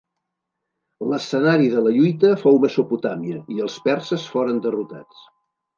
L'escenari de la lluita fou Mesopotàmia i els perses foren derrotats.